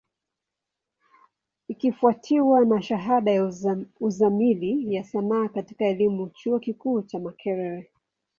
Ikifwatiwa na shahada ya Uzamili ya Sanaa katika elimu, chuo kikuu cha Makerere.